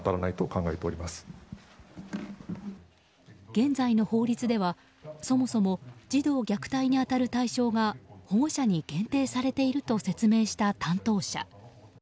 現在の法律では、そもそも児童虐待に当たる対象が保護者に限定されていると説明した担当者。